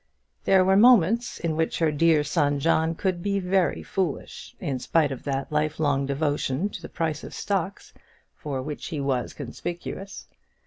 There were moments in which her dear son John could be very foolish, in spite of that life long devotion to the price of stocks, for which he was conspicuous.